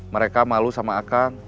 mereka malu sama akan